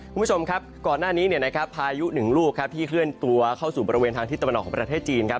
คุณผู้ชมครับก่อนหน้านี้เนี่ยนะครับพายุหนึ่งลูกครับที่เคลื่อนตัวเข้าสู่บริเวณทางที่ตะวันออกของประเทศจีนครับ